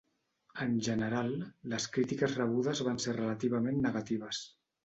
En general, les crítiques rebudes van ser relativament negatives.